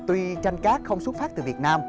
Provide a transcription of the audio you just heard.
tuy tranh cát không xuất phát từ việt nam